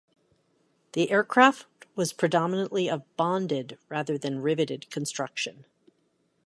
The aircraft was predominantly of bonded, rather than riveted, construction.